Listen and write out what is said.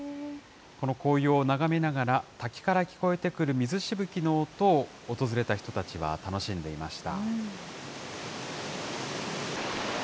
この紅葉を眺めながら、滝から聞こえてくる水しぶきの音を訪れた人たちは楽しんでいました。